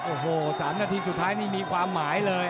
โอ้โห๓นาทีสุดท้ายนี่มีความหมายเลย